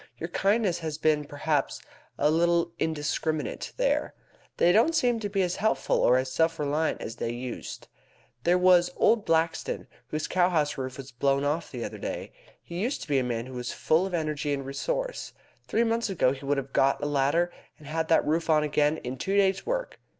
"Your kindness has been, perhaps, a little indiscriminate there. They don't seem to be as helpful or as self reliant as they used. There was old Blaxton, whose cowhouse roof was blown off the other day. He used to be a man who was full of energy and resource. Three months ago he would have got a ladder and had that roof on again in two days' work.